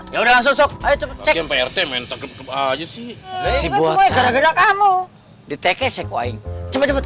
ya udah langsung sok ayo cepet cek prt mentok aja sih gara gara kamu di teke cek wang cepet cepet